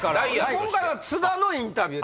今回は津田のインタビュー。